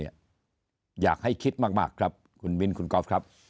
อยากให้คิดมากครับคุณมิ้นคุณก๊อฟครับ